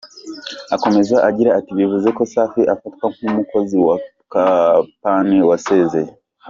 Akomeza agira ati “Bivuze ko safi afatwa nk’umukozi wa ‘kapani’ wasezeye.